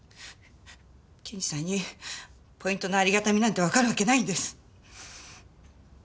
検事さんにポイントのありがたみなんてわかるわけないんです。